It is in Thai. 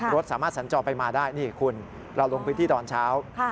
รถสามารถสัญจรไปมาได้นี่คุณเราลงพื้นที่ตอนเช้า